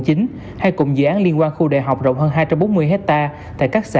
hay cùng dự án liên quan khu đại học